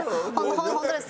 本当です。